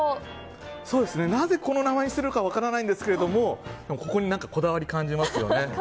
なぜこの名前にしたのかは分からないんですがここにこだわりを感じますよね。